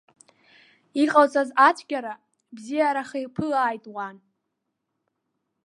Иҟалҵаз ацәгьара бзиараха илԥылааит уан.